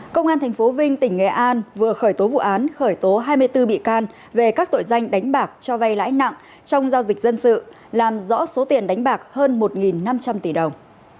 công an tp vinh tỉnh nghệ an vừa khởi tố vụ án khởi tố hai mươi bốn bị can về các tội danh đánh bạc cho vay lãi nặng trong giao dịch dân sự làm rõ số tiền đánh bạc hơn một năm trăm linh tỷ đồng